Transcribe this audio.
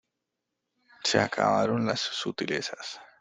se acabaron las sutilezas.